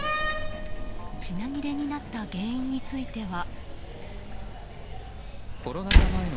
品切れになった原因については。